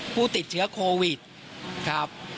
ผู้ติดเชื้อโควิดครับ